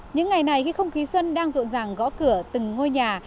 những ngày này khi không khí xuân đang rộn ràng gõ cửa từng ngôi nhà